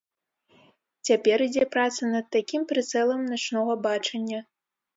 Цяпер ідзе праца над такім прыцэлам начнога бачання.